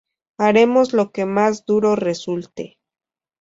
Haremos lo que más duro resulte.